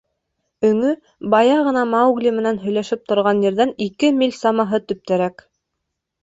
Өңө бая ғына Маугли менән һөйләшеп торған ерҙән ике миль самаһы төптәрәк.